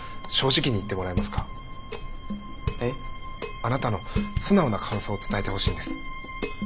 あなたの素直な感想を伝えてほしいんです。